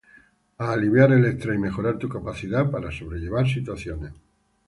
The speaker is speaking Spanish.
a aliviar el estrés y mejorar tu capacidad para sobrellevar situaciones